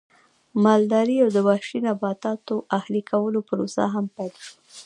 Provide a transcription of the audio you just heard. مالدارۍ او د وحشي نباتاتو اهلي کولو پروسه هم پیل شوه